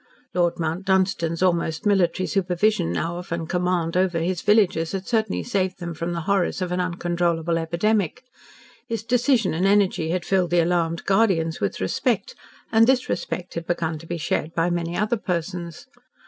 Lord Mount Dunstan's almost military supervision of and command over his villagers had certainly saved them from the horrors of an uncontrollable epidemic; his decision and energy had filled the alarmed Guardians with respect and this respect had begun to be shared by many other persons.